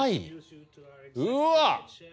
うわっ。